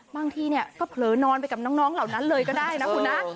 บางทีเนี่ยก็เผลอนอนไปกับน้องเหล่านั้นเลยก็ได้นะคุณนะ